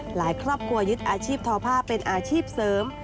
หลายครอบครัวยึดอาชีพทอผ้าเป็นอาชีพเสริม